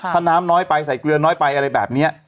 ถ้าน้ำน้อยไปใส่เกลือน้อยไปอะไรแบบนี้